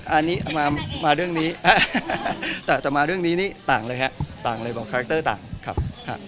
อันนั้นก็อีกเรื่องหนึ่งครับ